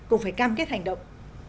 cùng phải cam kết hành động